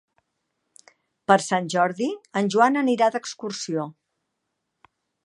Per Sant Jordi en Joan anirà d'excursió.